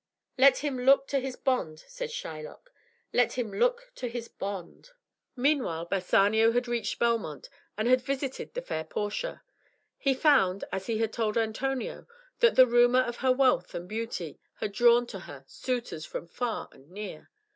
"Let him look to his bond," said Shylock, "let him look to his bond." Meanwhile Bassanio had reached Belmont, and had visited the fair Portia. He found, as he had told Antonio, that the rumor of her wealth and beauty had drawn to her suitors from far and near.